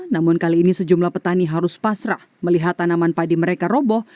namun kali ini sejumlah petani harus pasrah melihat tanaman padi mereka roboh